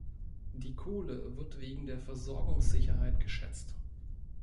Die Kohle wird wegen der Versorgungssicherheit geschätzt.